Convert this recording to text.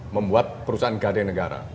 membuat perusahaan gade negara